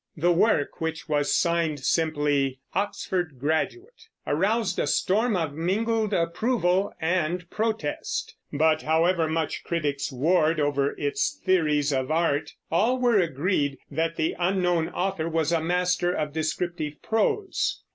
The work, which was signed simply "Oxford Graduate," aroused a storm of mingled approval and protest; but however much critics warred over its theories of art, all were agreed that the unknown author was a master of descriptive prose.